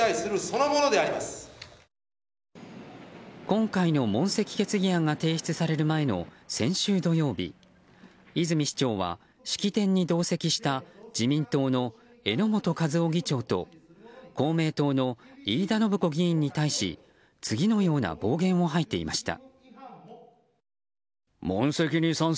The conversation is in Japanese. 今回の問責決議案が提出される前の先週土曜日泉市長は式典に同席した自民党の榎本和夫議長と公明党の飯田伸子議員に対し次のような暴言を吐いていました。